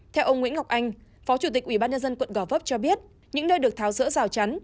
theo ông nguyễn ngọc anh phó chủ tịch ubnd quận gò vấp cho biết những nơi được tháo rỡ rào chắn